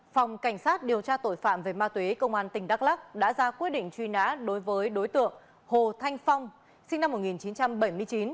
phòng cảnh sát điều tra tội phạm về ma túy công an tỉnh đắk lắc đã ra quyết định truy nã đối với đối tượng hồ thanh phong sinh năm một nghìn chín trăm bảy mươi chín